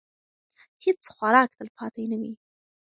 هیڅ خوراک تلپاتې نه وي.